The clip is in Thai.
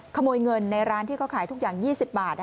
ขโมยเงินในร้านที่เขาขายทุกอย่าง๒๐บาท